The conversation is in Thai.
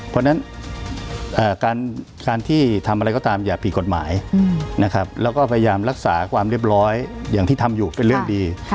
เพราะฉะนั้นการที่ทำอะไรก็ตามอย่าผิดกฎหมายนะครับแล้วก็พยายามรักษาความเรียบร้อยอย่างที่ทำอยู่เป็นเรื่องดี